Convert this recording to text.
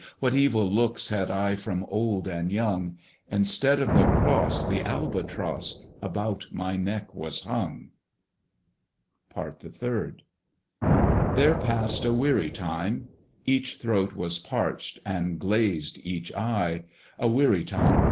what evil looks Had I from old and young! Instead of the cross, the Albatross About my neck was hung. PART THE THIRD. There passed a weary time. Each throat Was parched, and glazed each eye. A weary time!